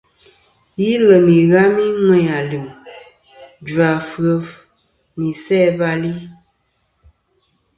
Yi lem ighami ŋweyn alim, jvafef nɨ isæ-bal-i.